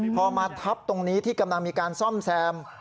พอมาทับตรงนี้ที่กำลังมีการซ่อมแซม